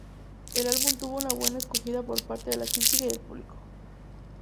El álbum tuvo una buena acogida por parte de la crítica y del público.